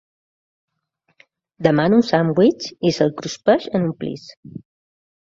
Demana un sandvitx i se'l cruspeix en un plis.